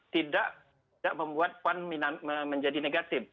tidak membuat pan menjadi negatif